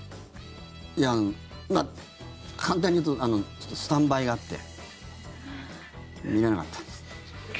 いや、まあ簡単に言うとスタンバイがあって見れなかったんです。